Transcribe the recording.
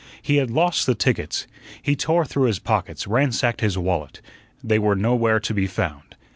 He had lost the tickets. He tore through his pockets, ransacked his wallet. They were nowhere to be found.